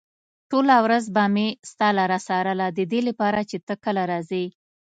ټوله ورځ به مې ستا لاره څارله ددې لپاره چې ته کله راځې.